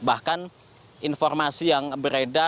bahkan informasi yang beredar selain ini saya juga